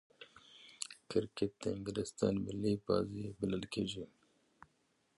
کرکټ د انګلستان ملي بازي بلل کیږي.